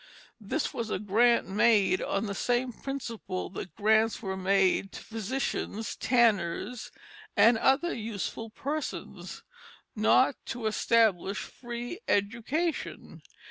This was a grant made on the same principle that grants were made to physicians, tanners, and other useful persons, not to establish free education.